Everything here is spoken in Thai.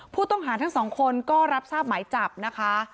ผู้ต้องหาทั้งสองคนก็รับทราบหมายจับนะคะ